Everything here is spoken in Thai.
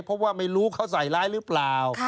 เพราะว่าไม่รู้เขาใส่ร้ายหรือเปล่า